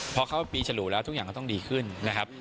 พอเข้าปีฉลูแล้วทุกอย่างก็ต้องดีขึ้นนะครับ